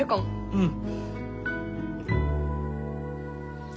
うん！